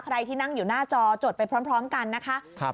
ที่นั่งอยู่หน้าจอจดไปพร้อมกันนะคะ